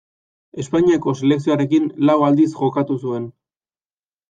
Espainiako selekzioarekin lau aldiz jokatu zuen.